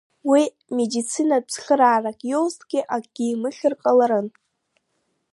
Уи медицинатә цхыраарак иоузҭгьы акгьы имыхьыр ҟаларын.